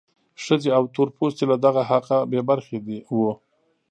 ښځې او تور پوستي له دغه حقه بې برخې وو.